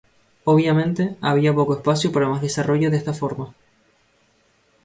Obviamente, había poco espacio para más desarrollo de esta forma.